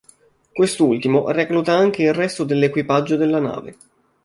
Quest'ultimo recluta anche il resto dell'equipaggio della nave.